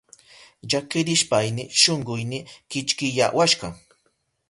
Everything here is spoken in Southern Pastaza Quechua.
Llakirishpayni shunkuyni kichkiyawashka.